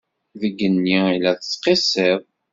Deg igenni i la tettqissiḍ.